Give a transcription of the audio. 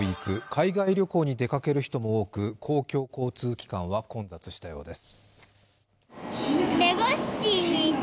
海外旅行に出かける人も多く公共交通機関は混雑したようです。